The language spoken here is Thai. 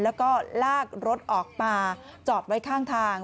แล้วก็ลากรถออกมาจอดไว้ข้างทาง